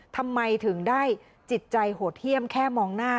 ทำไมถึงได้จิตใจโหดเยี่ยมแค่มองหน้า